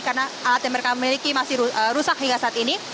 karena alat yang mereka miliki masih rusak hingga saat ini